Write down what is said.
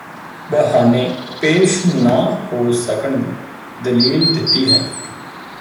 ਬਹਾਨੇ ਪੇਸ਼ ਨਾ ਹੋ ਸਕਣ ਦੀ ਦਲੀਲ ਦਿੱਤੀ ਹੈ